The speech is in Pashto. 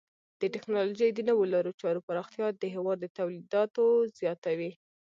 د ټکنالوژۍ د نوو لارو چارو پراختیا د هیواد تولیداتو زیاتوي.